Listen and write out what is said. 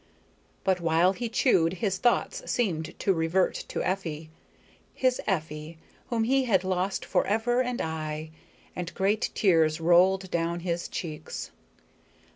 But while he chewed, his thoughts seemed to revert to Effie, his Effie, whom he had lost forever and aye, and great tears rolled down his cheeks.